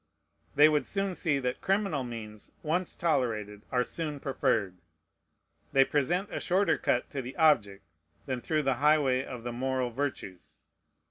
They would soon see that criminal means, once tolerated, are soon preferred. They present a shorter cut to the object than through the highway of the moral virtues.